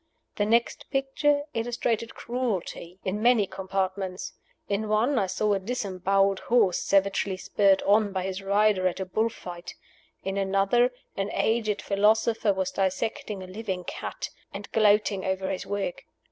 The next picture illustrated Cruelty, in many compartments. In one I saw a disemboweled horse savagely spurred on by his rider at a bull fight. In another, an aged philosopher was dissecting a living cat, and gloating over his work.